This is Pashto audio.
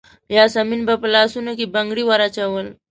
یاسمین به په لاسونو کې بنګړي وراچول.